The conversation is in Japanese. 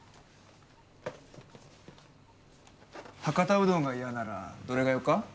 博多うどんが嫌ならどれがよか？